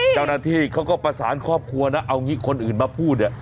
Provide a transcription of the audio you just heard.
เจ้าหน้าที่เขาก็ประสานครอบครัวนะเอางี้คนอื่นมาพูดเนี่ย